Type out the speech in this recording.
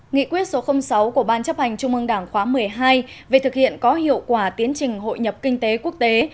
nghị quyết số sáu của ban chấp hành trung ương đảng khóa một mươi hai về thực hiện có hiệu quả tiến trình hội nhập kinh tế quốc tế